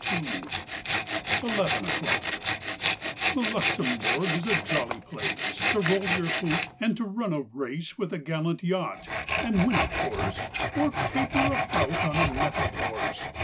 • TEN O'CLOCK 19 ELEVEN O'CLOCK T he Luxembourg is a jolly place To roll your hoop, and to run a race With a gallant yacht, and win, of course. Or caper about on a mettled horse!